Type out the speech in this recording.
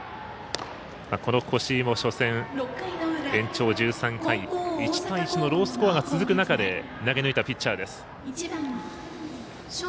越井も初戦、延長１３回１対１のロースコアが続く中で投げ抜いたピッチャーです。